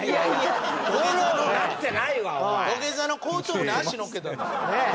土下座の後頭部に足のっけた。